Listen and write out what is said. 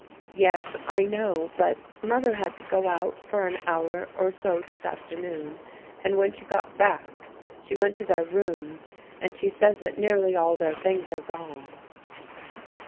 " Yes, I know, but Mother had to go out for an hour or so this afternoon, and when she got back, she went to their rooms, and she says that nearly all their things are gone."